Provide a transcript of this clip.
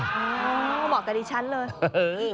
เหมาะกับดิฉันเลย